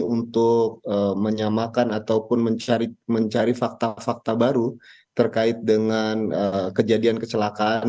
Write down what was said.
untuk menyamakan ataupun mencari fakta fakta baru terkait dengan kejadian kecelakaan